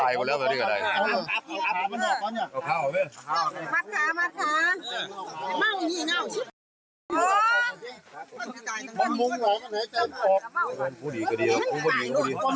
เย็นกัน